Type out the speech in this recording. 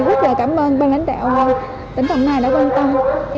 rất là cảm ơn ban lãnh đạo tỉnh tổng này đã quan tâm